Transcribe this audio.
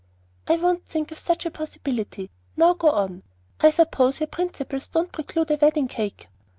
"I won't think of such a possibility. Now go on. I suppose your principles don't preclude a wedding cake?"